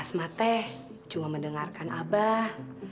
asma teh cuma mendengarkan abah